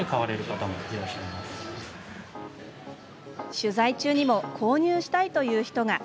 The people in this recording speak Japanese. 取材中にも購入したいという人が。